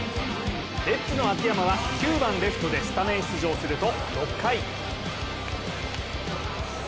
レッズの秋山は、９番・レフトでスタメン出場すると、６回。